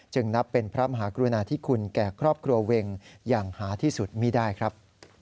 นับเป็นพระมหากรุณาธิคุณแก่ครอบครัวเวงอย่างหาที่สุดไม่ได้ครับ